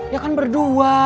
ya kan berdua